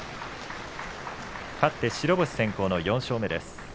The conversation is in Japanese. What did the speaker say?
勝って白星先行の４勝目。